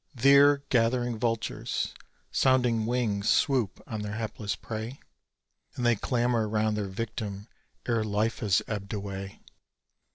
There gathering vultures' sounding wings swoop on their hapless prey; And they clamour round their victim ere life has ebbed away.